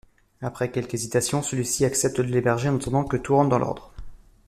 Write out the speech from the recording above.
Après quelques hésitations, celui-ci accepte de l'héberger en attendant que tout rentre dans l'ordre.